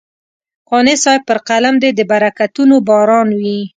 قانع صاحب پر قلم دې د برکتونو باران وي.